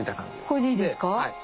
これでいいですか？